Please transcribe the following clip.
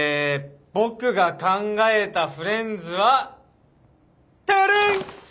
僕が考えたフレンズはタラーン！